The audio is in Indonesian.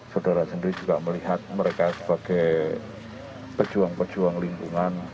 saudara sendiri juga melihat mereka sebagai pejuang pejuang lingkungan